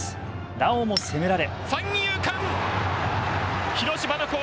なおも攻められ。